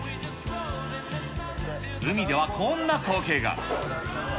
海ではこんな光景が。